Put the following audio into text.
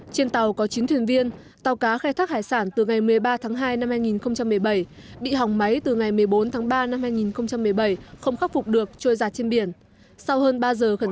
trên tàu có chín thuyền viên tàu cá khai thác hải sản từ ngày một mươi ba tháng hai năm hai nghìn một mươi bảy bị hỏng máy từ ngày một mươi bốn tháng ba năm hai nghìn một mươi bảy không khắc phục được trôi giặt trên biển